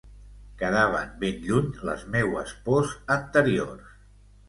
Quedaven ben lluny les meues pors anteriors.